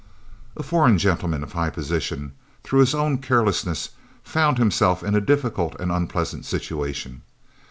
A foreign gentleman of high position, through his own carelessness, found himself in a difficult and unpleasant situation.